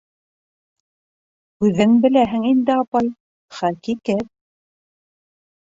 — Үҙең беләһең инде, апай, хәҡиҡәт.